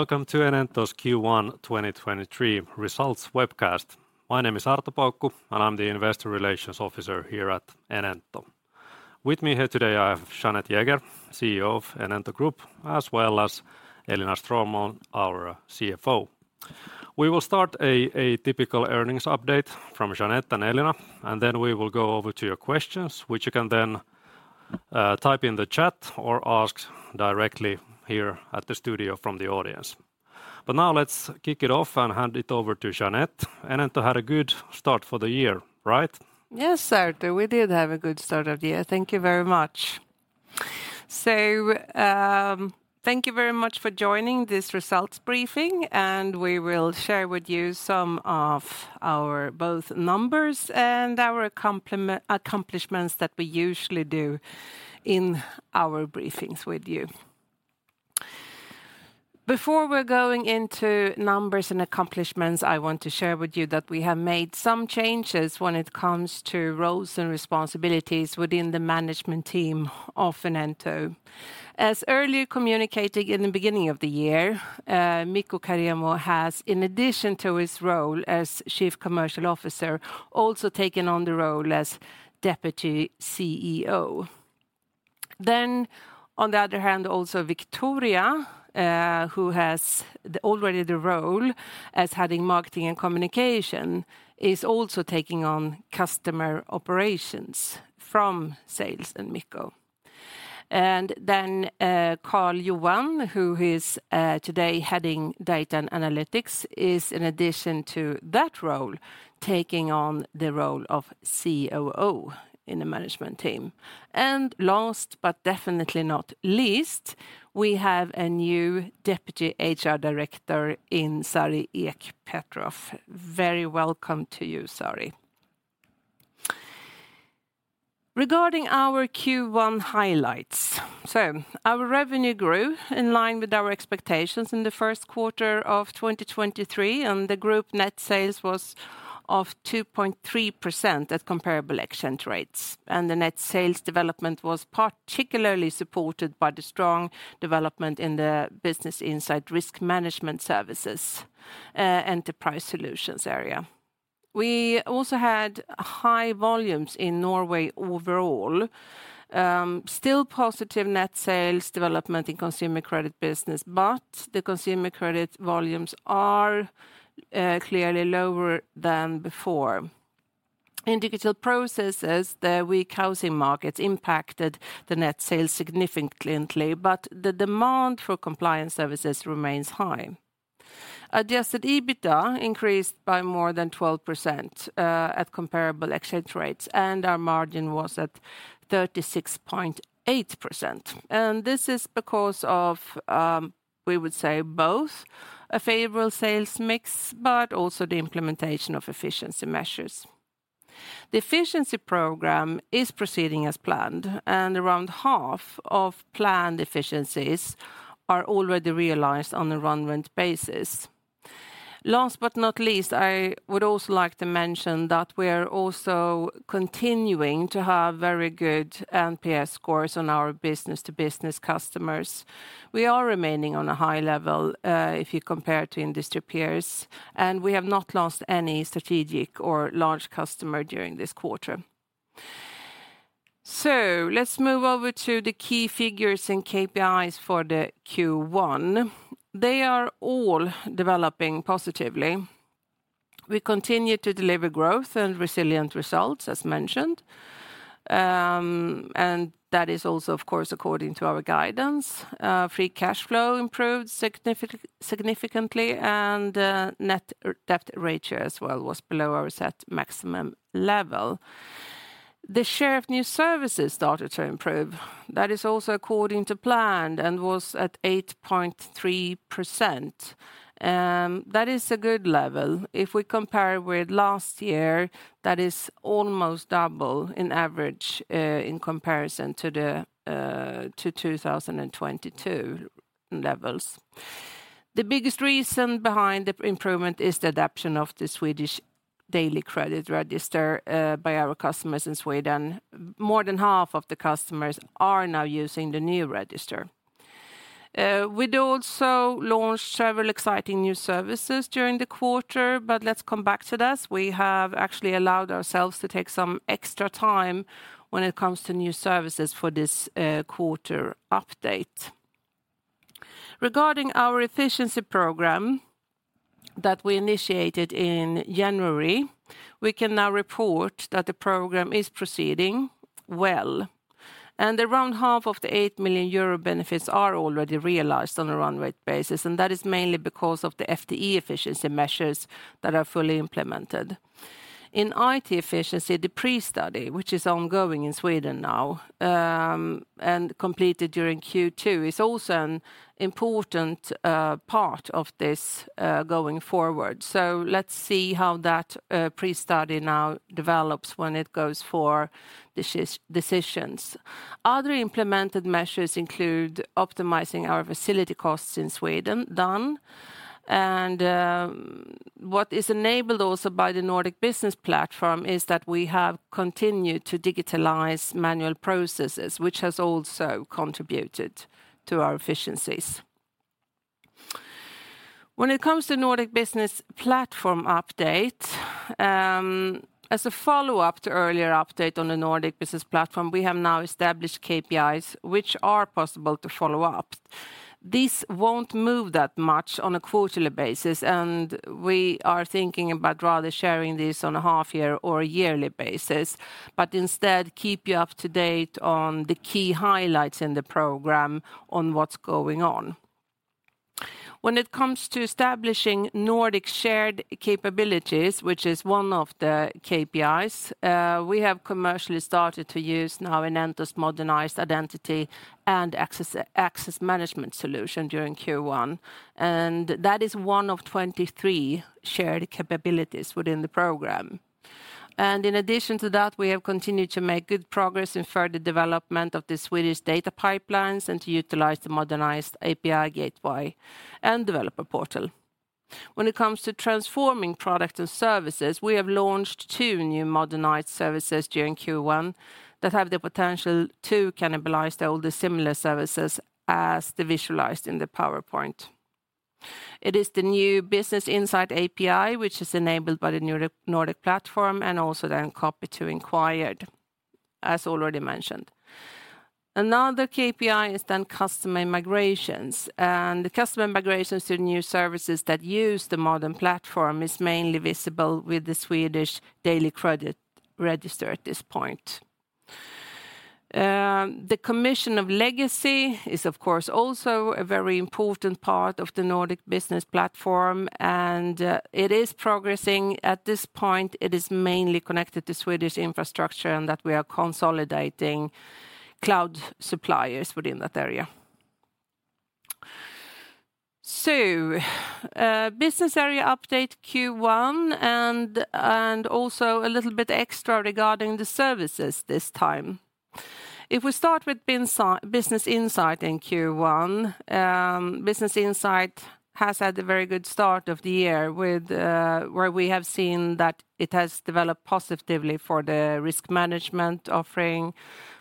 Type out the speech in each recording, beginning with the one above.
Welcome to Enento's Q1 2023 results webcast. My name is Arto Paukku, and I'm the investor relations officer here at Enento. With me here today, I have Jeanette Jäger, CEO of Enento Group, as well as Elina Stråhlman, our CFO. We will start a typical earnings update from Jeanette and Elina, and then we will go over to your questions, which you can then type in the chat or ask directly here at the studio from the audience. Now let's kick it off and hand it over to Jeanette. Enento had a good start for the year, right? Arto, we did have a good start of the year. Thank you very much. Thank you very much for joining this results briefing, and we will share with you some of our both numbers and our accomplishments that we usually do in our briefings with you. Before we're going into numbers and accomplishments, I want to share with you that we have made some changes when it comes to roles and responsibilities within the management team of Enento. As earlier communicated in the beginning of the year, Mikko Karemo has, in addition to his role as Chief Commercial Officer, also taken on the role as Deputy CEO. On the other hand, also Victoria, who has already the role as heading marketing and communication, is also taking on customer operations from sales and Mikko. Karl-Johan, who is today heading data and analytics, is in addition to that role, taking on the role of COO in the management team. Last but definitely not least, we have a new deputy HR director in Sari Ek-Petroff. Very welcome to you, Sari. Regarding our Q1 highlights, our revenue grew in line with our expectations in the first quarter of 2023. The group net sales was of 2.3% at comparable exchange rates. The net sales development was particularly supported by the strong development in the Business Insight risk management services, Enterprise Solutions area. We also had high volumes in Norway overall. Still positive net sales development in consumer credit business, but the consumer credit volumes are clearly lower than before. In digital processes, the weak housing markets impacted the net sales significantly, the demand for compliance services remains high. Adjusted EBITDA increased by more than 12% at comparable exchange rates, and our margin was at 36.8%. This is because of we would say both a favorable sales mix, but also the implementation of efficiency measures. The efficiency program is proceeding as planned, and around half of planned efficiencies are already realized on a run-rate basis. Last but not least, I would also like to mention that we are also continuing to have very good NPS scores on our business to business customers. We are remaining on a high level if you compare to industry peers, and we have not lost any strategic or large customer during this quarter. Let's move over to the key figures and KPIs for the Q1. They are all developing positively. We continue to deliver growth and resilient results, as mentioned. That is also, of course, according to our guidance. Free cash flow improved significantly, and net debt ratio as well was below our set maximum level. The share of new services started to improve. That is also according to plan and was at 8.3%. That is a good level. If we compare with last year, that is almost double in average, in comparison to the 2022 levels. The biggest reason behind the improvement is the adoption of the Swedish daily credit register by our customers in Sweden. More than half of the customers are now using the new register. We'd also launched several exciting new services during the quarter, but let's come back to this. We have actually allowed ourselves to take some extra time when it comes to new services for this quarter update. Regarding our efficiency program that we initiated in January, we can now report that the program is proceeding well. Around half of the 8 million euro benefits are already realized on a run-rate basis, and that is mainly because of the FTE efficiency measures that are fully implemented. In IT efficiency, the pre-study, which is ongoing in Sweden now, and completed during Q2, is also an important part of this going forward. Let's see how that pre-study now develops when it goes for decisions. Other implemented measures include optimizing our facility costs in Sweden done. And, what is enabled also by the Nordic Business Platform is that we have continued to digitalize manual processes, which has also contributed to our efficiencies. When it comes to Nordic Business Platform update, as a follow-up to earlier update on the Nordic Business Platform, we have now established KPIs which are possible to follow up. This won't move that much on a quarterly basis, we are thinking about rather sharing this on a half year or a yearly basis. Instead, keep you up to date on the key highlights in the program on what's going on. When it comes to establishing Nordic shared capabilities, which is one of the KPIs, we have commercially started to use now Enento's modernized identity and access management solution during Q1, that is one of 23 shared capabilities within the program. In addition to that, we have continued to make good progress in further development of the Swedish data pipelines and to utilize the modernized API gateway and developer portal. When it comes to transforming product and services, we have launched two new modernized services during Q1 that have the potential to cannibalize the older similar services as they visualized in the PowerPoint. It is the new Business Insight API, which is enabled by the new Nordic platform, and also then copy to inquired, as already mentioned. Another KPI is then customer migrations, and the customer migrations to new services that use the modern platform is mainly visible with the Swedish daily credit register at this point. The commission of legacy is, of course, also a very important part of the Nordic Business Platform, and it is progressing. At this point, it is mainly connected to Swedish infrastructure and that we are consolidating cloud suppliers within that area. Business area update Q1 and also a little bit extra regarding the services this time. If we start with Business Insight in Q1, Business Insight has had a very good start of the year with where we have seen that it has developed positively for the risk management offering,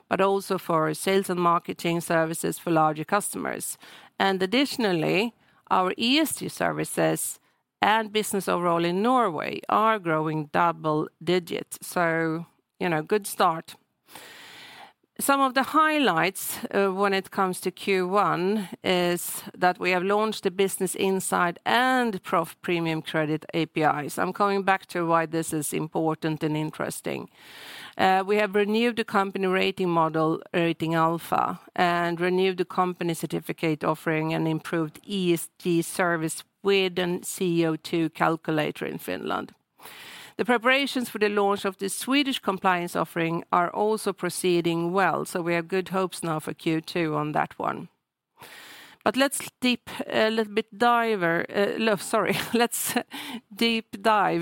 but also for sales and marketing services for larger customers. Additionally, our ESG services and business overall in Norway are growing double digits. You know, good start. Some of the highlights when it comes to Q1 is that we have launched the Business Insight and Proff Premium Credit APIs. I'm coming back to why this is important and interesting. We have renewed the company rating model, Rating Alfa, and renewed the company certificate offering an improved ESG service with a CO2 Calculator in Finland. The preparations for the launch of the Swedish compliance offering are also proceeding well, we have good hopes now for Q2 on that one. Let's deep dive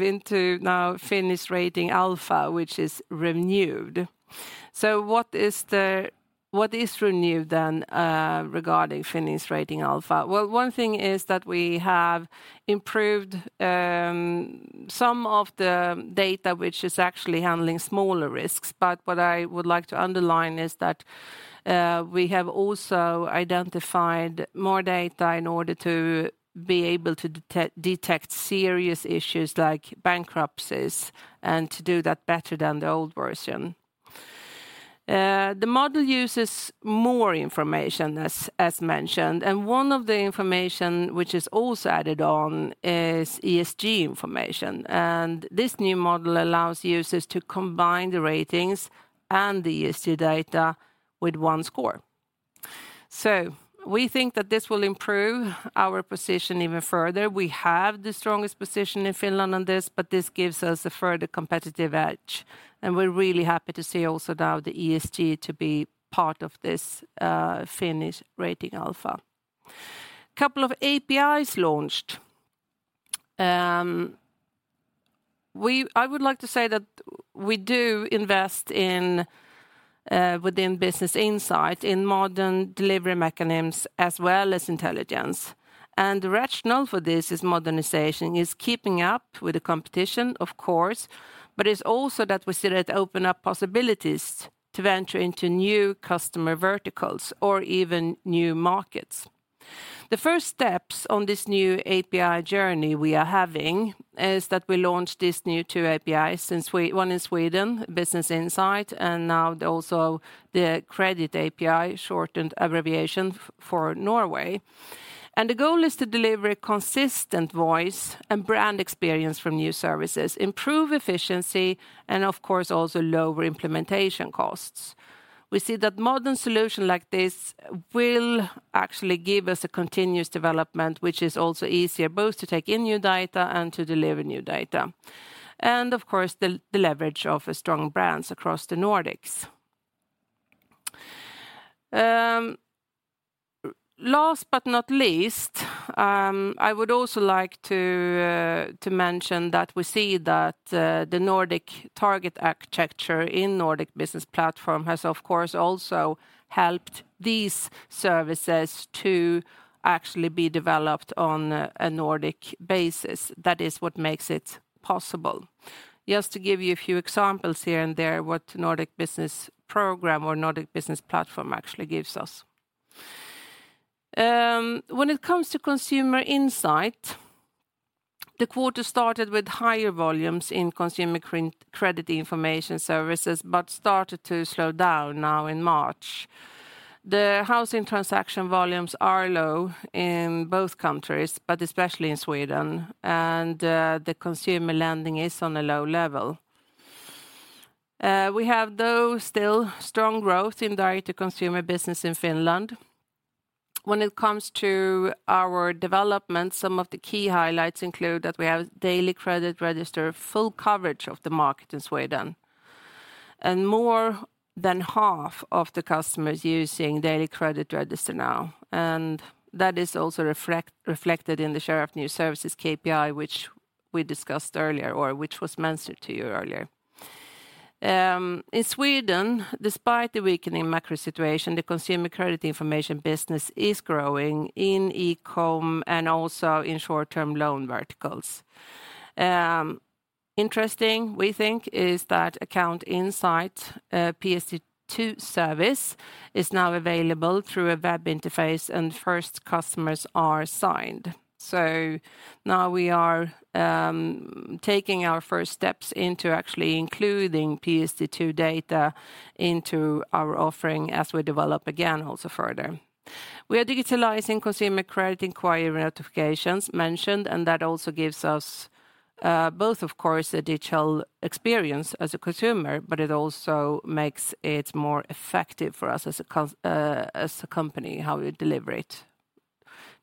into now Finnish Rating Alfa, which is renewed. What is renewed then, regarding Finnish Rating Alfa? Well, one thing is that we have improved, some of the data which is actually handling smaller risks. What I would like to underline is that, we have also identified more data in order to be able to detect serious issues like bankruptcies, and to do that better than the old version. The model uses more information as mentioned. One of the information which is also added on is ESG information. This new model allows users to combine the ratings and the ESG data with one score. We think that this will improve our position even further. We have the strongest position in Finland on this, but this gives us a further competitive edge, and we're really happy to see also now the ESG to be part of this Finnish Rating Alfa. Couple of APIs launched. I would like to say that we do invest in within Business Insight in modern delivery mechanisms as well as intelligence. The rationale for this is modernization, is keeping up with the competition, of course, but it's also that we still have to open up possibilities to venture into new customer verticals or even new markets. The first steps on this new API journey we are having is that we launched these new two APIs one in Sweden, Business Insight, and now also the Credit API shortened abbreviation for Norway. The goal is to deliver a consistent voice and brand experience from new services, improve efficiency, and of course, also lower implementation costs. We see that modern solution like this will actually give us a continuous development, which is also easier both to take in new data and to deliver new data. Of course, the leverage of strong brands across the Nordics. Last but not least, I would also like to mention that we see that the Nordic target architecture in Nordic Business Platform has of course also helped these services to actually be developed on a Nordic basis. That is what makes it possible. Just to give you a few examples here and there what Nordic Business Program or Nordic Business Platform actually gives us. When it comes to Consumer Insight, the quarter started with higher volumes in consumer credit information services, but started to slow down now in March. The housing transaction volumes are low in both countries, but especially in Sweden, and the consumer lending is on a low level. We have though still strong growth in direct-to-consumer business in Finland. When it comes to our development, some of the key highlights include that we have Daily Credit Register full coverage of the market in Sweden, and more than half of the customers using Daily Credit Register now. That is also reflected in the share of new services KPI which we discussed earlier or which was mentioned to you earlier. In Sweden, despite the weakening macro situation, the consumer credit information business is growing in e-com and also in short-term loan verticals. Interesting we think is that Account Insight PSD2 service is now available through a web interface, and first customers are signed. Now we are taking our first steps into actually including PSD2 data into our offering as we develop again also further. We are digitalizing consumer credit inquiry notifications mentioned, that also gives us both of course a digital experience as a consumer, but it also makes it more effective for us as a company how we deliver it,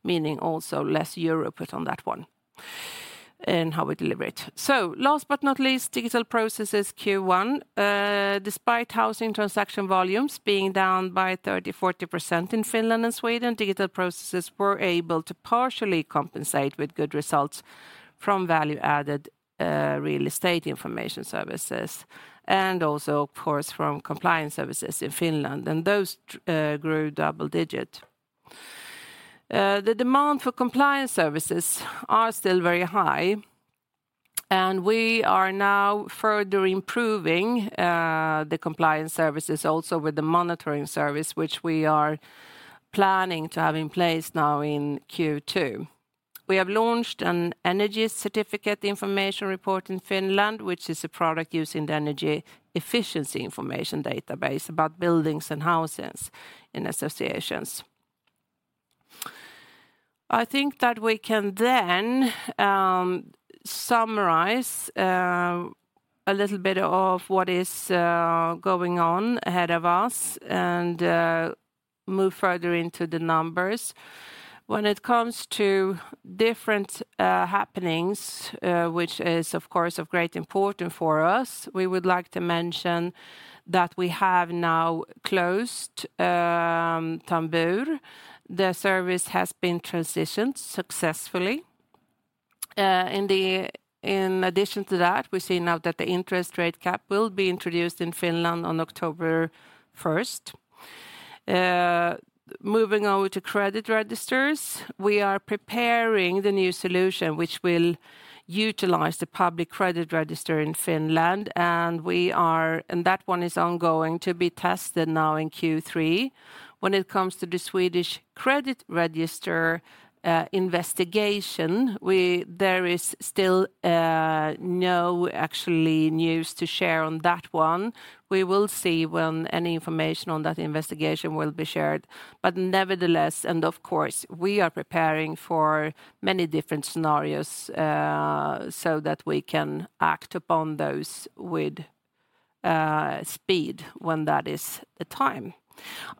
meaning also less euro put on that one in how we deliver it. Last but not least, Digital Processes Q1. Despite housing transaction volumes being down by 30%-40% in Finland and Sweden, Digital Processes were able to partially compensate with good results from value-added real estate information services and also of course from compliance services in Finland, and those grew double digit. The demand for compliance services are still very high, and we are now further improving the compliance services also with the monitoring service which we are planning to have in place now in Q2. We have launched an energy certificate information report in Finland, which is a product using the energy efficiency information database about buildings and houses in associations. I think that we can then summarize a little bit of what is going on ahead of us and move further into the numbers. When it comes to different happenings, which is of course of great importance for us, we would like to mention that we have now closed Tambur. The service has been transitioned successfully. In addition to that, we see now that the interest rate cap will be introduced in Finland on October 1st. Moving on to credit registers, we are preparing the new solution which will utilize the public credit register in Finland, and that one is ongoing to be tested now in Q3. When it comes to the Swedish credit register investigation, there is still no actually news to share on that one. We will see when any information on that investigation will be shared. Nevertheless, and of course, we are preparing for many different scenarios, so that we can act upon those with speed when that is the time.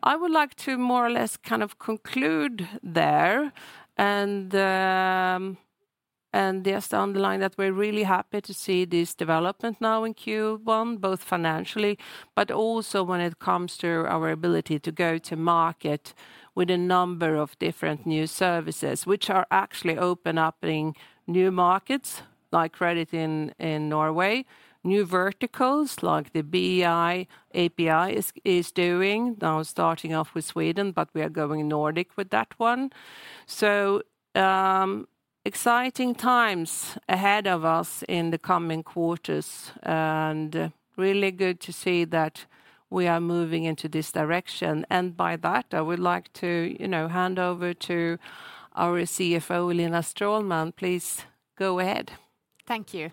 I would like to more or less kind of conclude there and just underline that we're really happy to see this development now in Q1, both financially, but also when it comes to our ability to go to market with a number of different new services which are actually open up in new markets, like credit in Norway, new verticals like the BI API is doing, now starting off with Sweden, but we are going Nordic with that one. Exciting times ahead of us in the coming quarters and really good to see that we are moving into this direction. By that, I would like to, you know, hand over to our CFO, Elina Ståhlman. Please go ahead. Thank you.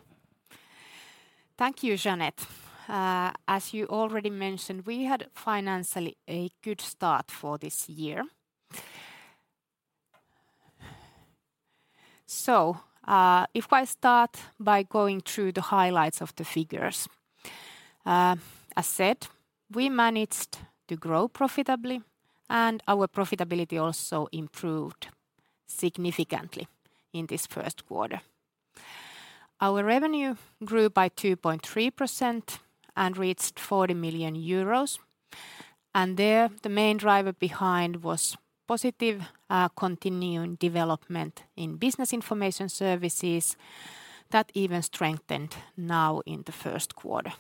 Thank you, Jeanette. As you already mentioned, we had financially a good start for this year. If I start by going through the highlights of the figures. As said, we managed to grow profitably, and our profitability also improved significantly in this first quarter. Our revenue grew by 2.3% and reached 40 million euros. There, the main driver behind was positive, continuing development in business information services that even strengthened now in the first quarter.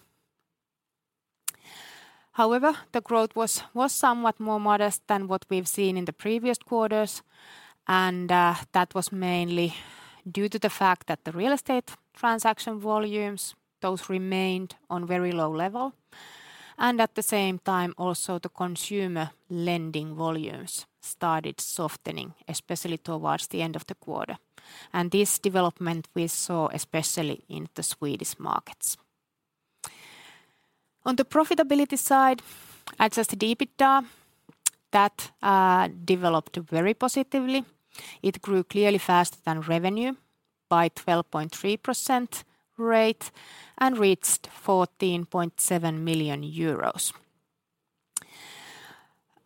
The growth was somewhat more modest than what we've seen in the previous quarters, and that was mainly due to the fact that the real estate transaction volumes, those remained on very low level. At the same time, also the consumer lending volumes started softening, especially towards the end of the quarter. This development we saw especially in the Swedish markets. On the profitability side, adjusted EBITDA, that developed very positively. It grew clearly faster than revenue by 12.3% rate and reached EUR 14.7 million.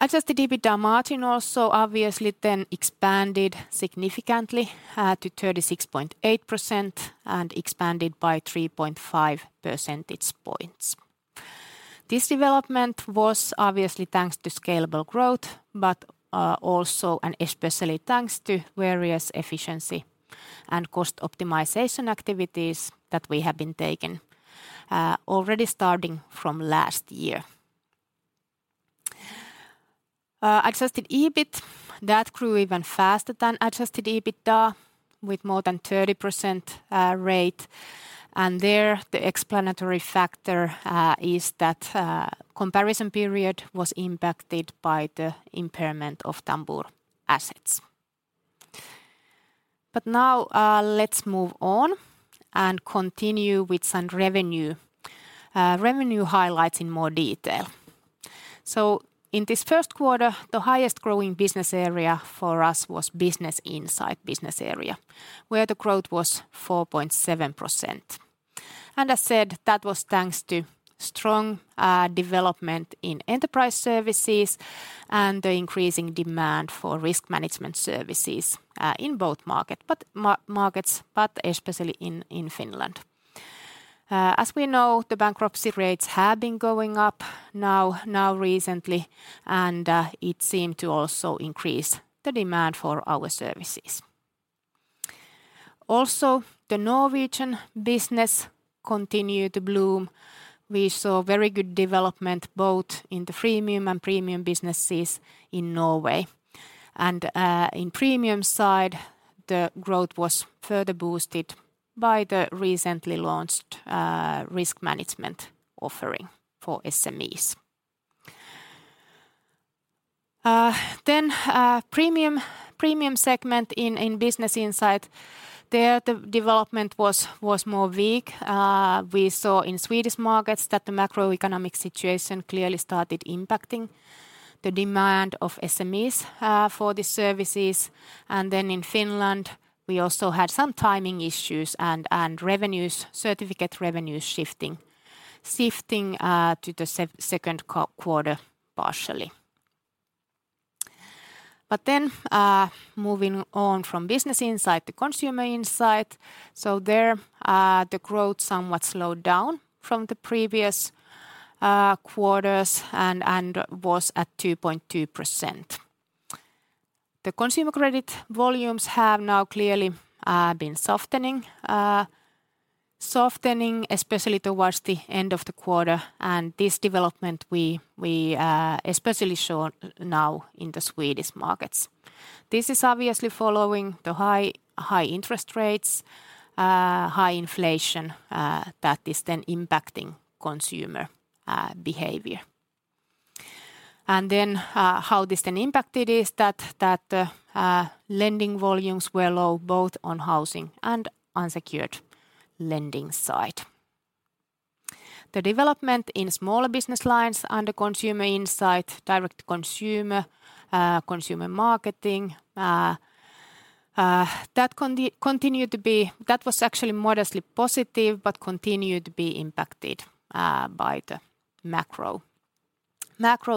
Adjusted EBITDA margin also obviously then expanded significantly to 36.8% and expanded by 3.5 percentage points. This development was obviously thanks to scalable growth, but also and especially thanks to various efficiency and cost optimization activities that we have been taking already starting from last year. Adjusted EBIT, that grew even faster than adjusted EBITDA with more than 30% rate. There, the explanatory factor is that comparison period was impacted by the impairment of Tambur assets. Now, let's move on and continue with some revenue highlights in more detail. In this first quarter, the highest growing business area for us was Business Insight business area, where the growth was 4.7%. As said, that was thanks to strong development in Enterprise services and the increasing demand for risk management services in both markets, but especially in Finland. As we know, the bankruptcy rates have been going up now recently, it seemed to also increase the demand for our services. Also, the Norwegian business continued to bloom. We saw very good development both in the freemium and premium businesses in Norway. In premium side, the growth was further boosted by the recently launched risk management offering for SMEs. Premium segment in Business Insight, there the development was more weak. We saw in Swedish markets that the macroeconomic situation clearly started impacting the demand of SMEs for the services. In Finland, we also had some timing issues and revenues, certificate revenues shifting to the second quarter partially. Moving on from Business Insight to Consumer Insight. There, the growth somewhat slowed down from the previous quarters and was at 2.2%. The consumer credit volumes have now clearly been softening especially towards the end of the quarter, and this development we especially saw now in the Swedish markets. This is obviously following the high interest rates, high inflation that is then impacting consumer behavior. How this then impacted is that lending volumes were low both on housing and unsecured lending side. The development in smaller business lines under Consumer Insight, direct consumer, consumer marketing, that was actually modestly positive, but continued to be impacted by the macro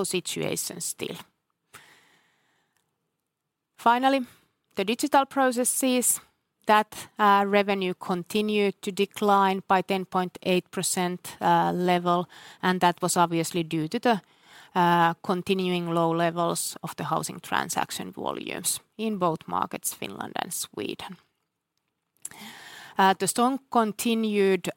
situation still. The Digital Processes, that revenue continued to decline by 10.8% level. That was obviously due to the continuing low levels of the housing transaction volumes in both markets, Finland and Sweden. The strong continued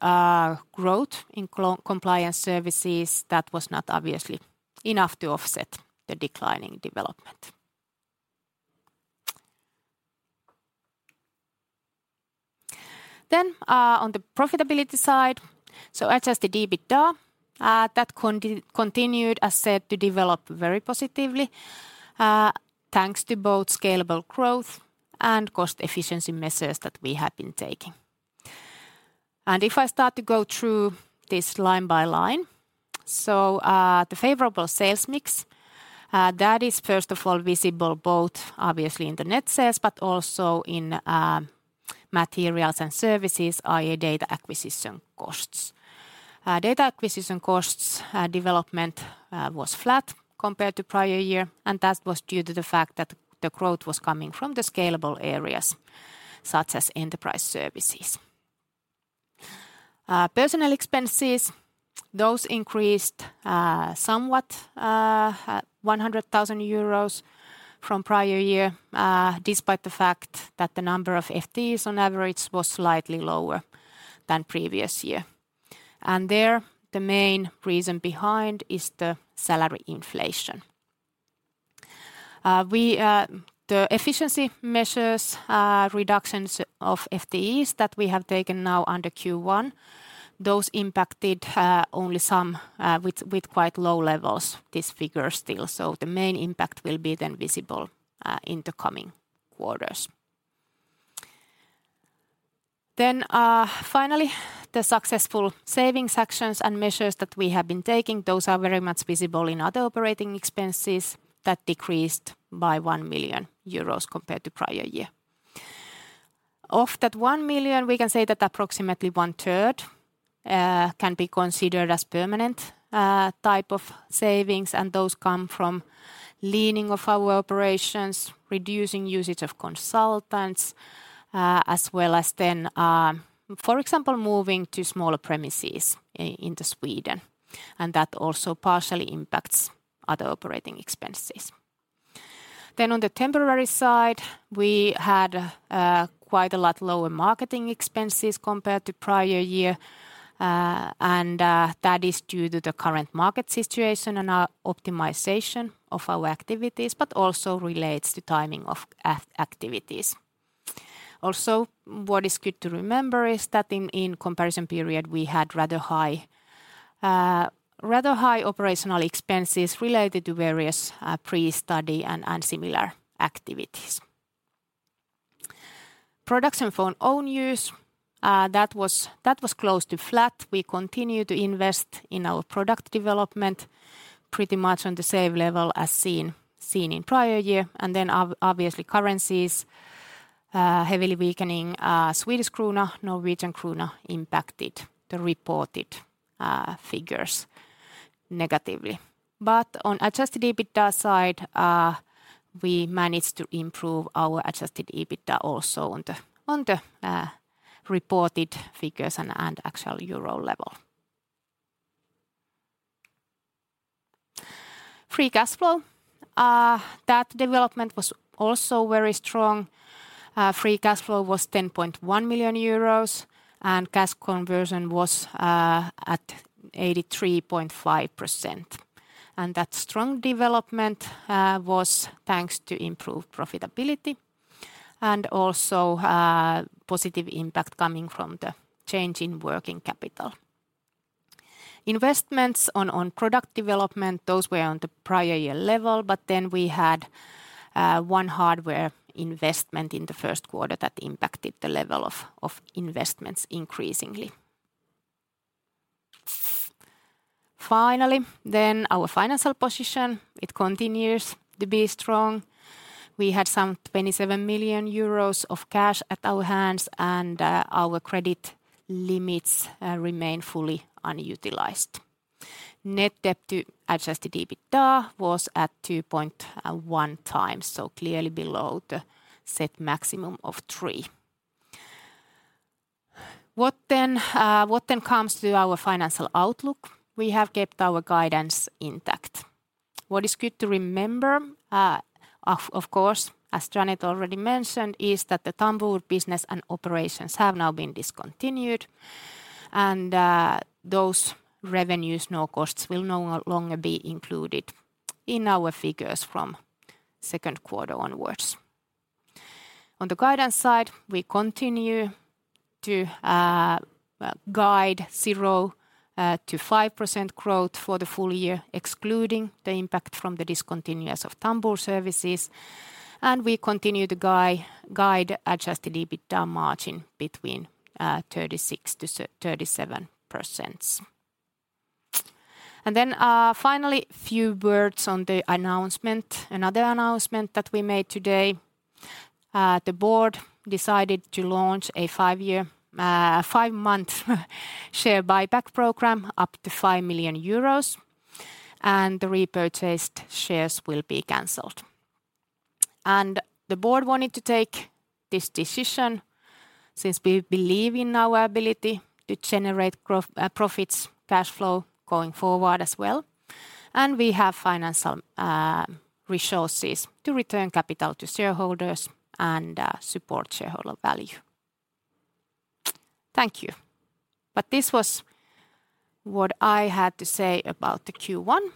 growth in compliance services, that was not obviously enough to offset the declining development. On the profitability side, adjusted EBITDA, that continued, as said, to develop very positively, thanks to both scalable growth and cost efficiency measures that we have been taking. If I start to go through this line by line, the favorable sales mix that is first of all visible both obviously in the net sales but also in materials and services, i.e. data acquisition costs. Data acquisition costs development was flat compared to prior year, and that was due to the fact that the growth was coming from the scalable areas such as Enterprise Services. Personnel expenses, those increased somewhat at 100,000 euros from prior year, despite the fact that the number of FTEs on average was slightly lower than previous year. There, the main reason behind is the salary inflation. The efficiency measures, reductions of FTEs that we have taken now under Q1, those impacted only some with quite low levels this figure still. The main impact will be then visible in the coming quarters. Finally, the successful saving sections and measures that we have been taking, those are very much visible in other operating expenses that decreased by 1 million euros compared to prior year. Of that 1 million, we can say that approximately one-third can be considered as permanent type of savings, and those come from leaning of our operations, reducing usage of consultants, as well as then, for example, moving to smaller premises into Sweden, and that also partially impacts other operating expenses. On the temporary side, we had quite a lot lower marketing expenses compared to prior year. And that is due to the current market situation and our optimization of our activities, but also relates to timing of activities. What is good to remember is that in comparison period, we had rather high operational expenses related to various pre-study and similar activities. Production for own use, that was close to flat. We continue to invest in our product development pretty much on the same level as seen in prior year. Obviously currencies heavily weakening. Swedish krona, Norwegian krona impacted the reported figures negatively. On adjusted EBITDA side, we managed to improve our adjusted EBITDA also on the reported figures and actual euro level. Free cash flow, that development was also very strong. Free cash flow was 10.1 million euros, and cash conversion was at 83.5%. That strong development was thanks to improved profitability and also positive impact coming from the change in working capital. Investments on product development, those were on the prior year level. We had one hardware investment in the first quarter that impacted the level of investments increasingly. Finally, our financial position, it continues to be strong. We had some 27 million euros of cash at our hands, and our credit limits remain fully unutilized. Net debt to adjusted EBITDA was at 2.1x, so clearly below the set maximum of 3x. What then comes to our financial outlook, we have kept our guidance intact. What is good to remember, of course, as Jeanette already mentioned, is that the Tambur business and operations have now been discontinued. Those revenues, no costs will no longer be included in our figures from second quarter onwards. On the guidance side, we continue to guide 0% to 5% growth for the full year, excluding the impact from the discontinuance of Tambur services. We continue to guide adjusted EBITDA margin between 36% to 37%. Finally, few words on the announcement, another announcement that we made today. The board decided to launch a 5-year, 5-month share buyback program up to 5 million euros, the repurchased shares will be canceled. The board wanted to take this decision since we believe in our ability to generate profits, cash flow going forward as well, and we have financial resources to return capital to shareholders and support shareholder value. Thank you. This was what I had to say about the Q1.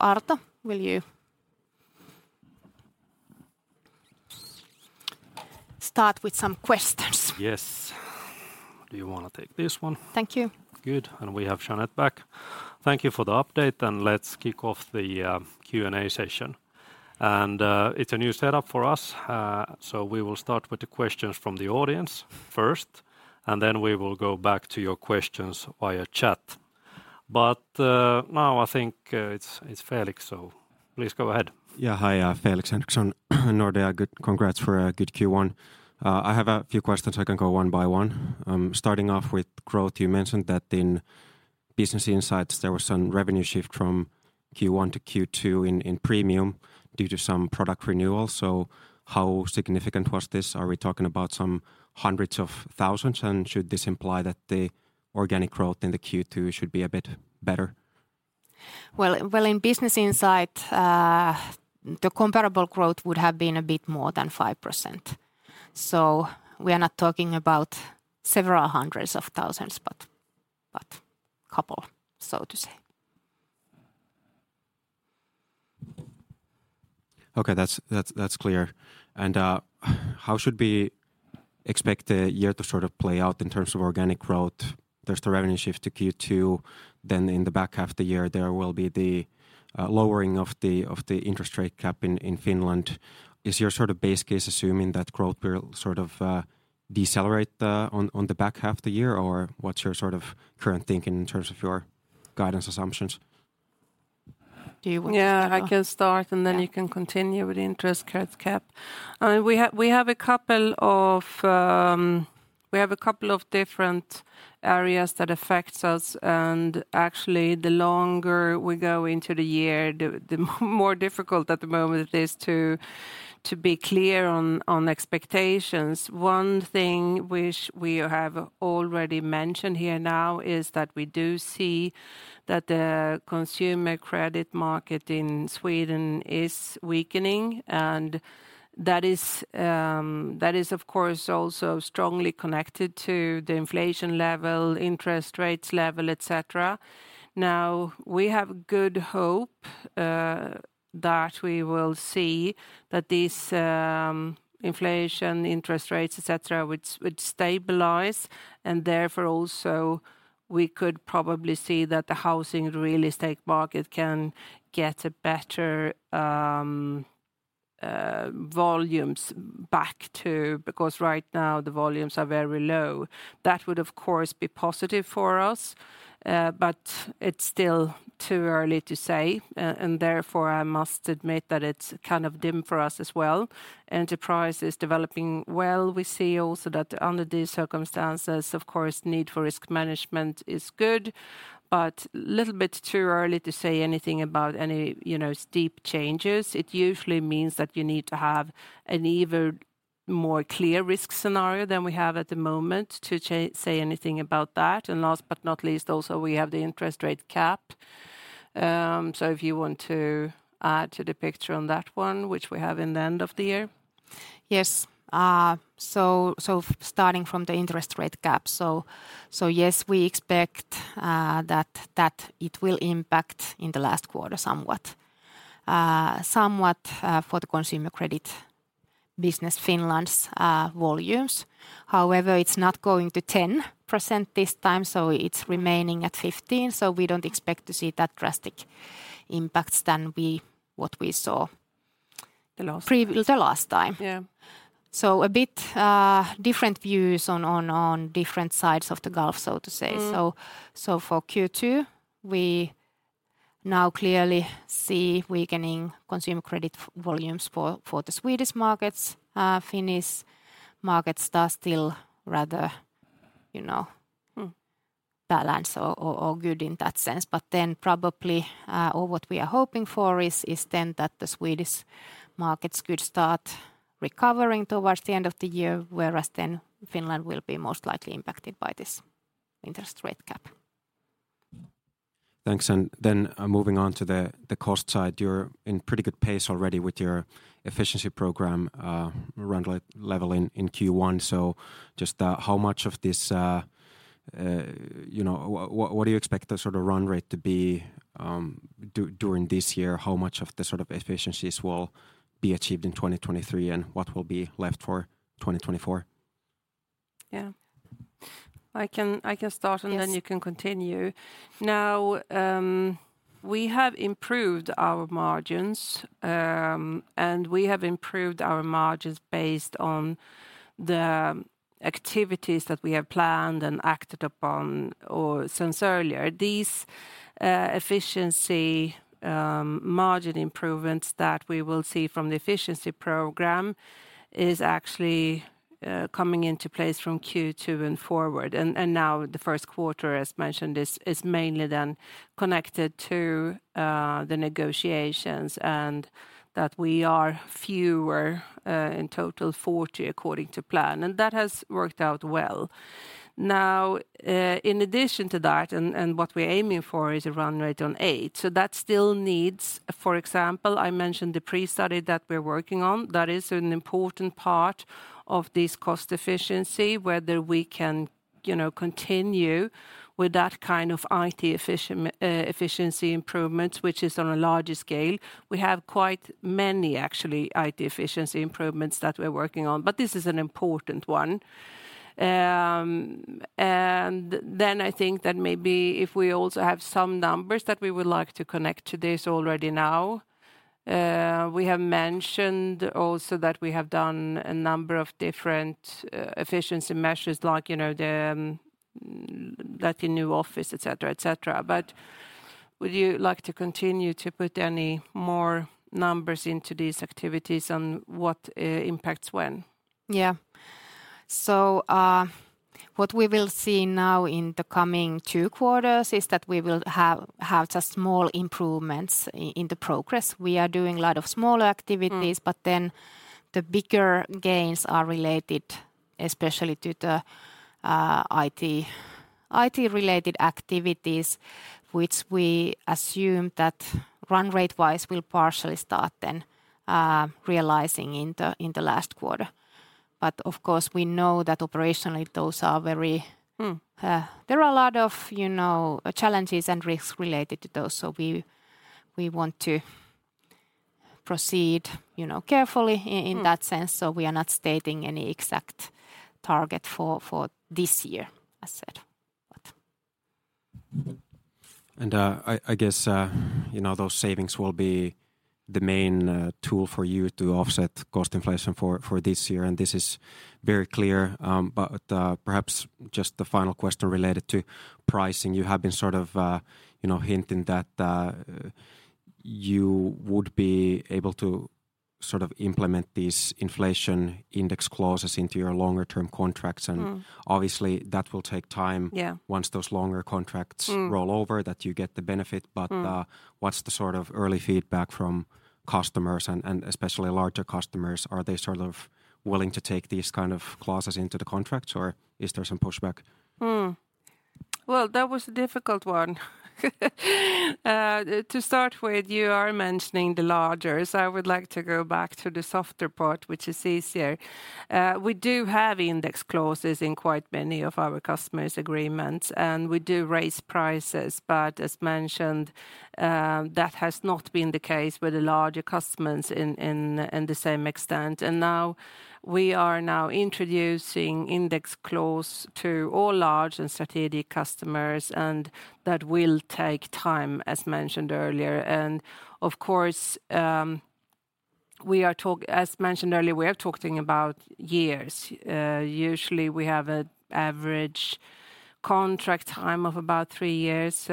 Arto, will you start with some questions? Yes. Do you wanna take this one? Thank you. Good. We have Jeanette back. Thank you for the update, and let's kick off the Q&A session. It's a new setup for us, so we will start with the questions from the audience first, and then we will go back to your questions via chat. Now I think, it's Felix, so, please go ahead. Hi, Felix Henriksson, Nordea. Good congrats for a good Q1. I have a few questions. I can go one by one. Starting off with growth, you mentioned that in Business Insights there was some revenue shift from Q1 to Q2 in premium due to some product renewals. How significant was this? Are we talking about some hundreds of thousands? Should this imply that the organic growth in the Q2 should be a bit better? Well, well, in Business Insight, the comparable growth would have been a bit more than 5%. We are not talking about several hundreds of thousands, but couple, so to say. Okay. That's clear. How should we expect the year to sort of play out in terms of organic growth? There's the revenue shift to Q2. In the back half of the year there will be the lowering of the interest rate cap in Finland. Is your sort of base case assuming that growth will sort of decelerate on the back half of the year? What's your sort of current thinking in terms of your guidance assumptions? Do you want to start off? Yeah. I can start and then you can continue with interest rate cap. I mean, we have a couple of different areas that affects us. Actually, the longer we go into the year, the more difficult at the moment it is to be clear on expectations. One thing which we have already mentioned here now is that we do see that the consumer credit market in Sweden is weakening, and that is of course also strongly connected to the inflation level, interest rates level, et cetera. We have good hope that we will see that this inflation interest rates, et cetera, which stabilize, and therefore also we could probably see that the housing real estate market can get a better volumes back to, because right now the volumes are very low. That would of course be positive for us, but it's still too early to say and therefore I must admit that it's kind of dim for us as well. Enterprise is developing well. We see also that under these circumstances, of course need for risk management is good, but little bit too early to say anything about any, you know, steep changes. It usually means that you need to have an even more clear risk scenario than we have at the moment to say anything about that. Last but not least also, we have the interest rate cap. If you want to add to the picture on that one, which we have in the end of the year. Yes. Starting from the interest rate cap. Yes, we expect that it will impact in the last quarter somewhat. Somewhat for the consumer credit business Finland's volumes. However, it's not going to 10% this time, so it's remaining at 15%. We don't expect to see that drastic impacts than what we saw. The last time. The last time. Yeah. A bit, different views on, on different sides of the gulf, so to say. For Q2, we now clearly see weakening consumer credit volumes for the Swedish markets. Finnish markets are still rather, you know, balanced or good in that sense. Probably, or what we are hoping for is then that the Swedish markets could start recovering towards the end of the year, whereas then Finland will be most likely impacted by this interest rate cap. Thanks. Then, moving on to the cost side. You're in pretty good pace already with your efficiency program, around level in Q1. Just how much of this, you know, what do you expect the sort of run rate to be during this year? How much of the sort of efficiencies will be achieved in 2023, and what will be left for 2024? Yeah. I can start and then you can continue. Now, we have improved our margins, and we have improved our margins based on the activities that we have planned and acted upon since earlier. These efficiency margin improvements that we will see from the efficiency program is actually coming into place from Q2 and forward. Now the first quarter, as mentioned, is mainly then connected to the negotiations and that we are fewer, in total 40 according to plan, and that has worked out well. Now, in addition to that and what we're aiming for is a run rate on eight. That still needs, for example, I mentioned the pre-study that we're working on. That is an important part of this cost efficiency, whether we can, you know, continue with that kind of IT efficiency improvements, which is on a larger scale. We have quite many actually IT efficiency improvements that we're working on, but this is an important one. I think that maybe if we also have some numbers that we would like to connect to this already now. We have mentioned also that we have done a number of different efficiency measures like, you know, the new office, et cetera, et cetera. Would you like to continue to put any more numbers into these activities on what impacts when? Yeah. What we will see now in the coming two quarters is that we will have the small improvements in the progress. We are doing lot of small activities, but then the bigger gains are related, especially to the IT related activities, which we assume that run rate-wise will partially start then, realizing in the, in the last quarter. We know that operationally those are very, there are a lot of, you know, challenges and risks related to those, so we want to proceed, you know, carefully in that sense. We are not stating any exact target for this year, as said. I guess, you know, those savings will be the main tool for you to offset cost inflation for this year, and this is very clear. Perhaps just the final question related to pricing. You have been sort of, you know, hinting that, you would be able to sort of implement these inflation index clauses into your longer term contracts and obviously that will take time. Once those longer contracts roll over, that you get the benefit. What's the sort of early feedback from customers and especially larger customers? Are they sort of willing to take these kind of clauses into the contracts, or is there some pushback? That was a difficult one. To start with, you are mentioning the largers. I would like to go back to the softer part, which is easier. We do have index clauses in quite many of our customers' agreements, and we do raise prices. As mentioned, that has not been the case with the larger customers in the same extent. Now we are now introducing index clause to all large and strategic customers, and that will take time, as mentioned earlier. Of course, as mentioned earlier, we are talking about years. Usually we have an average contract time of about 3 years,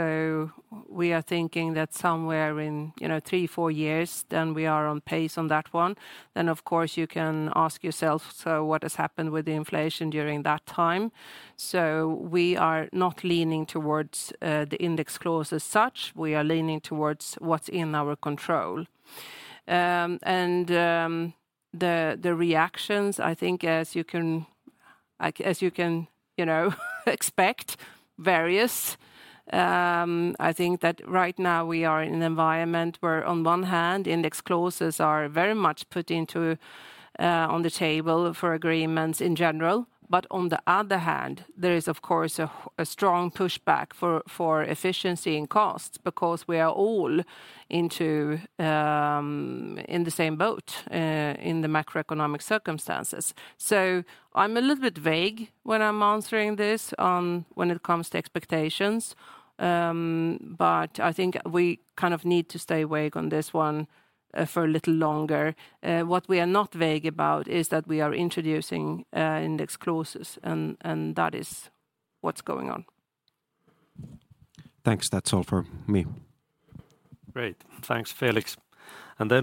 we are thinking that somewhere in, you know, three, four years, we are on pace on that one. Of course, you can ask yourself, what has happened with the inflation during that time? We are not leaning towards the index clause as such. We are leaning towards what's in our control. And the reactions, I think as you can, you know, expect, various. I think that right now we are in an environment where on one hand, index clauses are very much put into on the table for agreements in general. On the other hand, there is of course a strong pushback for efficiency and cost because we are all into in the same boat in the macroeconomic circumstances. I'm a little bit vague when I'm answering this when it comes to expectations. I think we kind of need to stay vague on this one for a little longer. What we are not vague about is that we are introducing index clauses and that is what's going on. Thanks. That's all for me. Great. Thanks, Felix.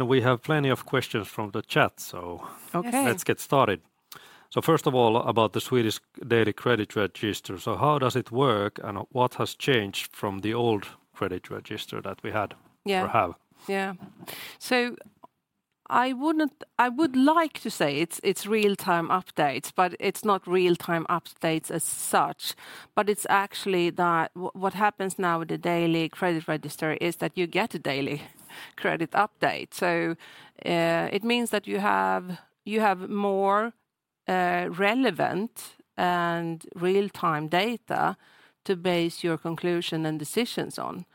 We have plenty of questions from the chat. Okay Let's get started. First of all, about the Swedish daily credit register. How does it work, and what has changed from the old credit register that we had? Yeah Or have? I would like to say it's real-time updates, but it's not real-time updates as such. It's actually that what happens now with the Daily Credit Register is that you get a daily credit update. It means that you have more relevant and real-time data to base your conclusion and decisions on.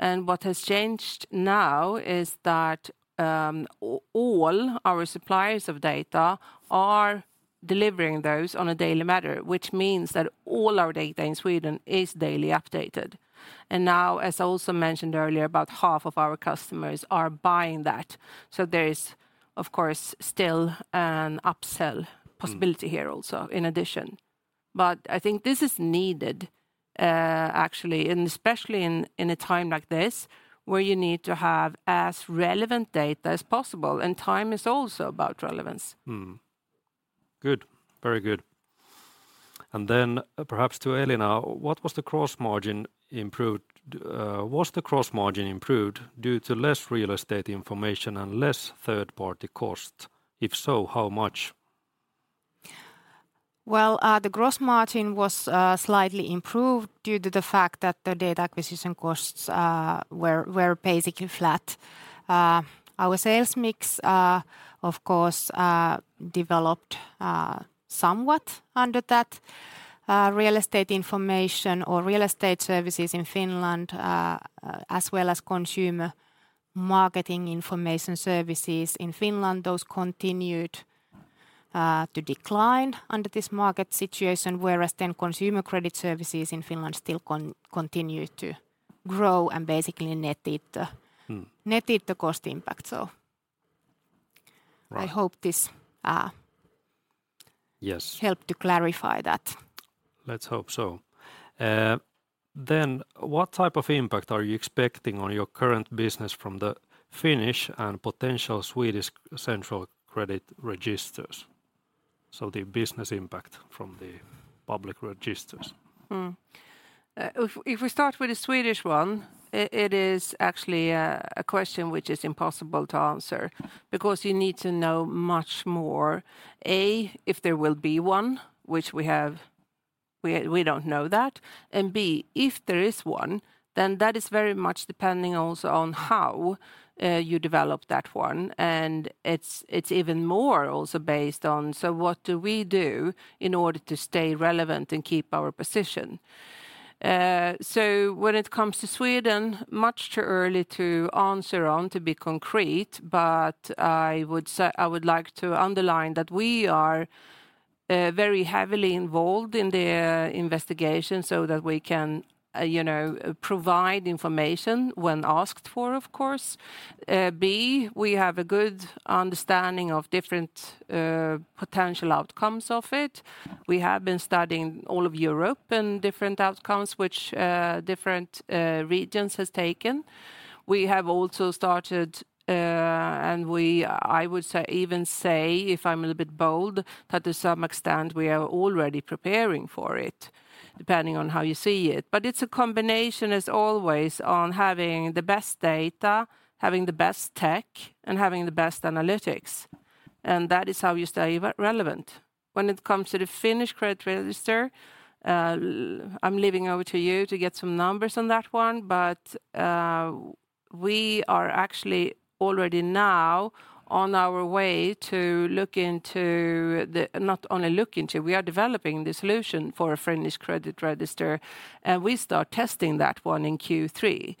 What has changed now is that all our suppliers of data are delivering those on a daily matter, which means that all our data in Sweden is daily updated. Now, as I also mentioned earlier, about half of our customers are buying that, there is of course still an upsell possibility here also, in addition. I think this is needed, actually, and especially in a time like this, where you need to have as relevant data as possible, and time is also about relevance. Good. Very good. Perhaps to Elina, was the gross margin improved due to less real estate information and less third party cost? If so, how much? Well, the gross margin was slightly improved due to the fact that the data acquisition costs were basically flat. Our sales mix, of course, developed somewhat under that. Real estate information or real estate services in Finland, as well as consumer marketing information services in Finland, those continued to decline under this market situation, whereas then consumer credit services in Finland still continue to grow and basically netted the netted the cost impact. I hope this helped to clarify that. Let's hope so. What type of impact are you expecting on your current business from the Finnish and potential Swedish central credit registers? The business impact from the public registers. If we start with the Swedish one, it is actually a question which is impossible to answer because you need to know much more: A, if there will be one, which we have, we don't know that. And B, if there is one, then that is very much depending also on how you develop that one, and it's even more also based on, so what do we do in order to stay relevant and keep our position? When it comes to Sweden, much too early to answer on, to be concrete, but I would like to underline that we are very heavily involved in the investigation so that we can, you know, provide information when asked for, of course. B, we have a good understanding of different potential outcomes of it. We have been studying all of Europe and different outcomes which different regions has taken. We have also started, and I would even say, if I'm a little bit bold, that to some extent we are already preparing for it, depending on how you see it, but it's a combination, as always, on having the best data, having the best tech, and having the best analytics, and that is how you stay relevant. When it comes to the Finnish credit register, I'm leaving over to you to get some numbers on that one, but we are actually already now on our way to look into the, not only look into, we are developing the solution for a Finnish credit register, and we start testing that one in Q3.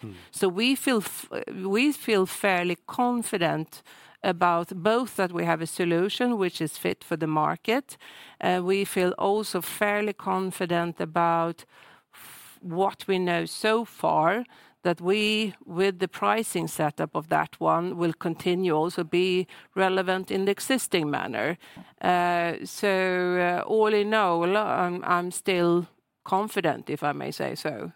We feel fairly confident about both that we have a solution which is fit for the market. We feel also fairly confident about what we know so far, that we, with the pricing setup of that one, will continue also be relevant in the existing manner. All in all, I'm still confident, if I may say so.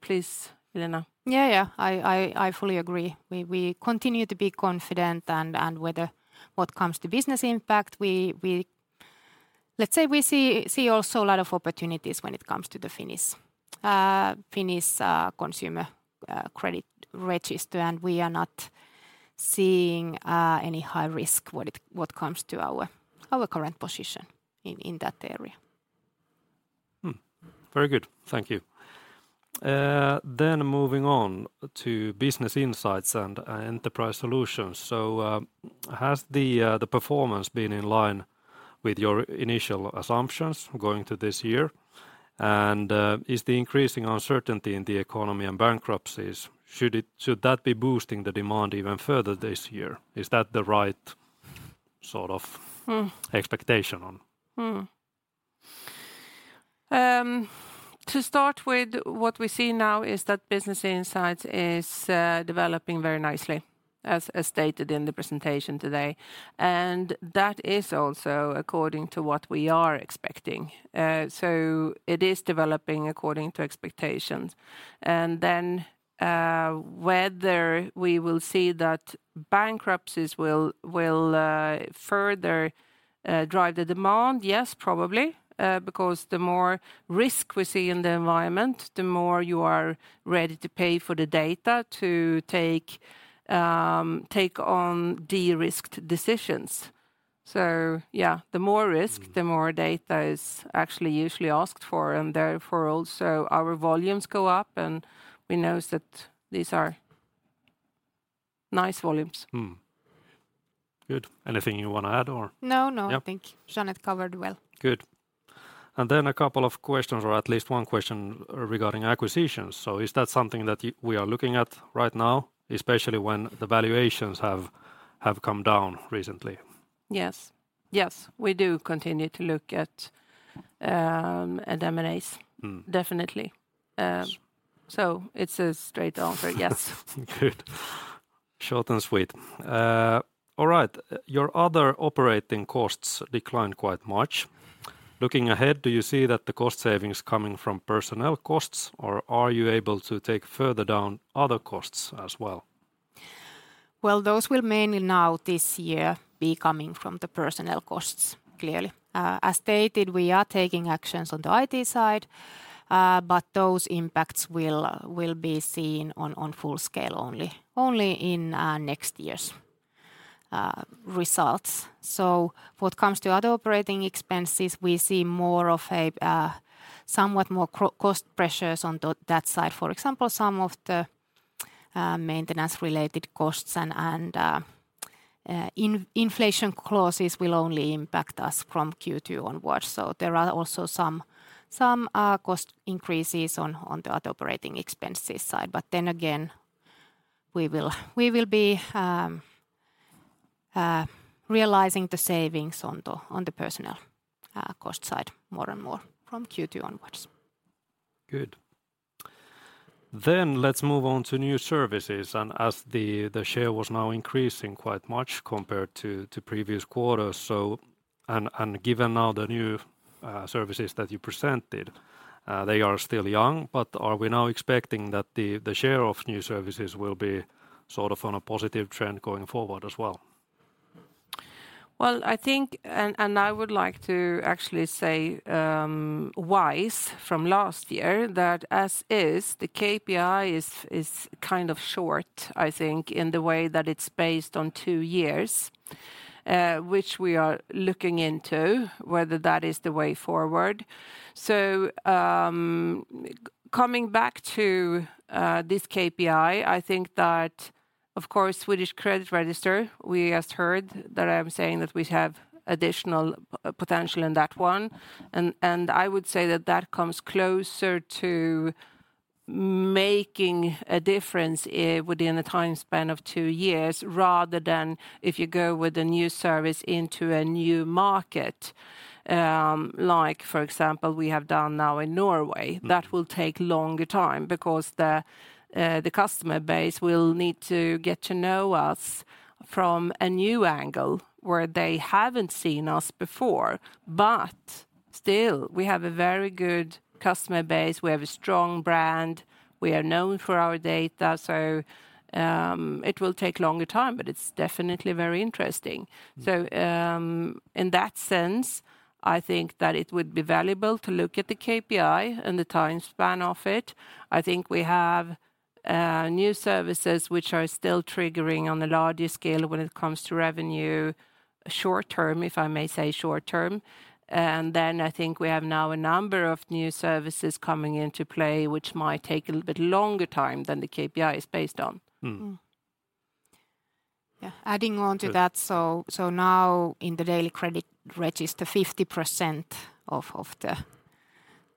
Please, Elina. Yeah. I fully agree. We continue to be confident and whether what comes to business impact, we Let's say we see also a lot of opportunities when it comes to the Finnish consumer credit register. We are not seeing any high risk what comes to our current position in that area. Very good. Thank you. Moving on to Business Insights and Enterprise Solutions. Has the performance been in line with your initial assumptions going to this year? Is the increasing uncertainty in the economy and bankruptcies, should that be boosting the demand even further this year? Is that the right sort of expectation on? To start with, what we see now is that Business Insights is developing very nicely, as stated in the presentation today, and that is also according to what we are expecting. So it is developing according to expectations. Whether we will see that bankruptcies will further drive the demand, yes, probably, because the more risk we see in the environment, the more you are ready to pay for the data to take on de-risked decisions. The more risk, the more data is actually usually asked for, and therefore also our volumes go up, and we notice that these are nice volumes. Good. Anything you wanna add? No, no. I think Jeanette covered well. Good. A couple of questions, or at least one question regarding acquisitions. Is that something that we are looking at right now, especially when the valuations have come down recently? Yes. Yes. We do continue to look at M&As, definitely. So it's a straight answer, yes. Good. Short and sweet. All right. Your other operating costs declined quite much. Looking ahead, do you see that the cost savings coming from personnel costs, or are you able to take further down other costs as well? Well, those will mainly now this year be coming from the personnel costs, clearly. As stated, we are taking actions on the IT side, but those impacts will be seen on full scale only in next year's results. What comes to other operating expenses, we see more of a somewhat more cost pressures on that side. For example, some of the maintenance-related costs and inflation clauses will only impact us from Q2 onwards. There are also some cost increases on the other operating expenses side. We will be realizing the savings on the personnel cost side more and more from Q2 onwards. Good. Let's move on to new services, as the share was now increasing quite much compared to previous quarters. Given now the new services that you presented, they are still young, but are we now expecting that the share of new services will be sort of on a positive trend going forward as well? I think, and, I would like to actually say, wise from last year that as is, the KPI is kind of short, I think, in the way that it's based on two years, which we are looking into whether that is the way forward. Coming back to this KPI, I think that, of course, Swedish credit register, we just heard that I'm saying that we have additional potential in that one. I would say that that comes closer to making a difference within a time span of two years rather than if you go with a new service into a new market, like for example we have done now in Norway. That will take longer time because the customer base will need to get to know us from a new angle where they haven't seen us before. Still, we have a very good customer base. We have a strong brand. We are known for our data, so it will take longer time, but it's definitely very interesting. In that sense, I think that it would be valuable to look at the KPI and the time span of it. I think we have new services which are still triggering on the larger scale when it comes to revenue short-term, if I may say short-term. I think we have now a number of new services coming into play which might take a little bit longer time than the KPI is based on. Yeah. Adding on to that. Now in the daily credit register, 50% of the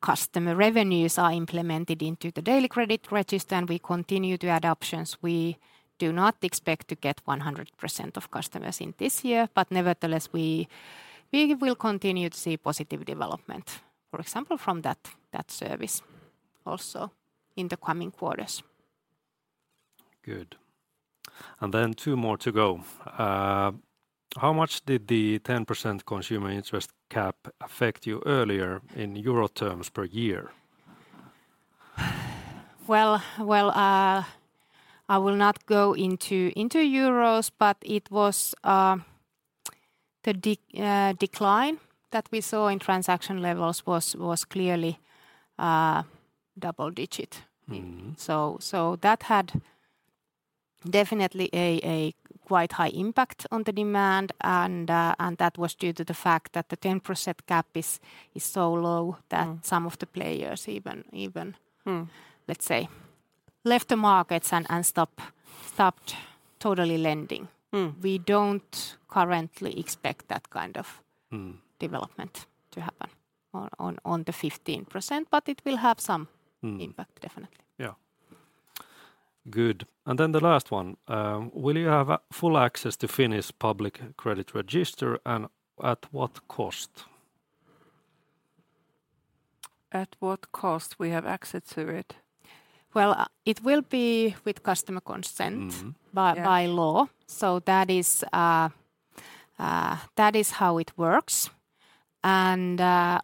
customer revenues are implemented into the daily credit register, and we continue to add options. We do not expect to get 100% of customers in this year, but nevertheless we will continue to see positive development, for example from that service also in the coming quarters. Good. Then two more to go. How much did the 10% consumer interest cap affect you earlier in euro terms per year? Well, I will not go into euros, but it was the decline that we saw in transaction levels was clearly double digit. That had definitely a quite high impact on the demand, and that was due to the fact that the 10% cap is so low some of the players even. Let's say, left the markets and stopped totally lending. We don't currently expect that kind development to happen on the 15%, but it will have impact definitely. Yeah. Good. Then the last one, will you have full access to Finish public credit register, and at what cost? At what cost we have access to it? Well, it will be with customer consent. Yeah But by law. That is how it works.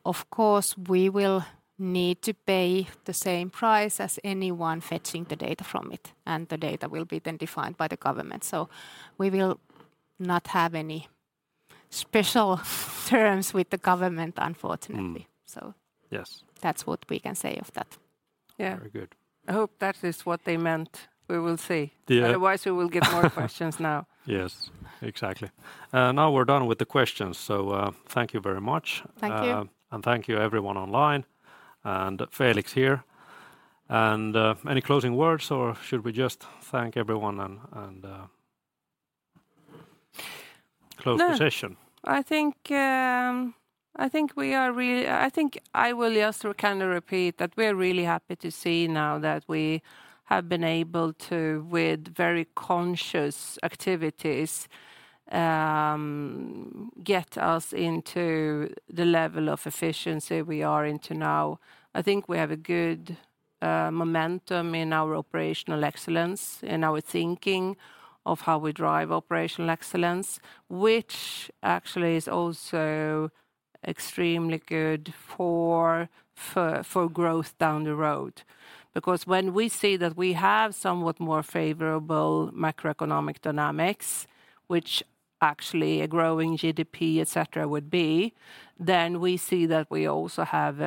Of course, we will need to pay the same price as anyone fetching the data from it, and the data will be then defined by the government. We will not have any special terms with the government, unfortunately. Mm. So- Yes that's what we can say of that. Yeah. Very good. I hope that is what they meant. We will see. Yeah. Otherwise, we will get more questions now. Yes, exactly. Now we're done with the questions, so, thank you very much. Thank you. Thank you everyone online, and Felix here. Any closing words, or should we just thank everyone and, close the session? I think, I think I will just kind of repeat that we're really happy to see now that we have been able to, with very conscious activities, get us into the level of efficiency we are into now. I think we have a good momentum in our operational excellence, in our thinking of how we drive operational excellence, which actually is also extremely good for growth down the road. When we see that we have somewhat more favorable macroeconomic dynamics, which actually a growing GDP, et cetera, would be, then we see that we also have,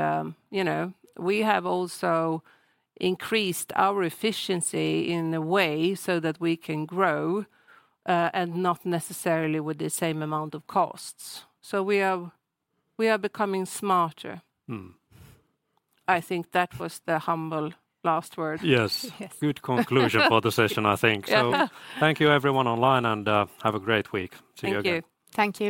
you know, we have also increased our efficiency in a way so that we can grow and not necessarily with the same amount of costs. We are, we are becoming smarter. I think that was the humble last word. Yes. Good conclusion for the session, I think. Yeah. Thank you everyone online, and, have a great week. See you again. Thank you. Thank you.